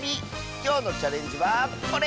きょうのチャレンジはこれ！